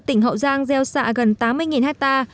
tỉnh hậu giang gieo xạ gần tám mươi ha